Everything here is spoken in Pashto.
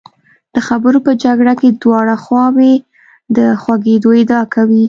د خبرو په جګړه کې دواړه خواوې د خوږېدو ادعا کوي.